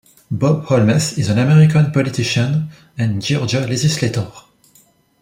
"Bob" Holmes is an American politician and Georgia legislator.